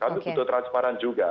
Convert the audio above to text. kan itu butuh transparan juga